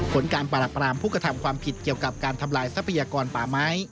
ผลการปราบรามผู้กระทำความผิดเกี่ยวกับการทำลายทรัพยากรป่าไม้